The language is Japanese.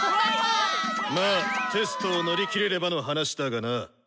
まあテストを乗り切れればの話だがな。